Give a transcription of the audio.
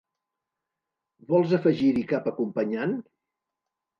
Vols afegir-hi cap acompanyant?